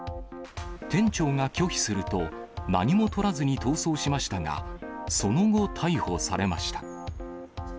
店長が拒否すると、何もとらずに逃走しましたが、その後、逮捕されました。